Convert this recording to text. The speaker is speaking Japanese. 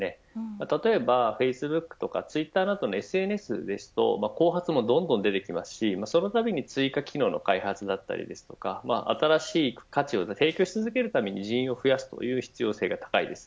例えばフェイスブックとかツイッターなどのＳＮＳですと後発もどんどん出てきますしそのたびに追加機能の開発だったり新しい価値を提供し続けるために人員を増やすという必要性が高いです。